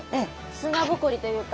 砂ぼこりというか。